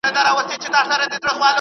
سیاسي شعور ولرئ.